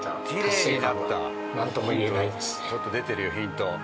ちょっと出てるよヒント。